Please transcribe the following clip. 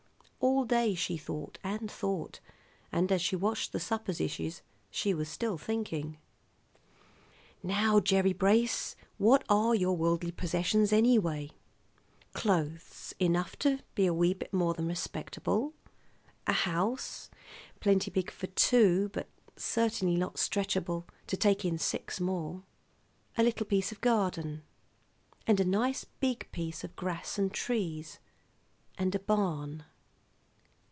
All day she thought and thought; and, as she washed the supper dishes, she was still thinking: "Now, Gerry Brace, what are your worldly possessions, anyway? Clothes enough to be a wee bit more than respectable, a house plenty big for two, but certainly not stretchable to take in six more, a little piece of garden, and a nice big piece of grass and trees, and a barn.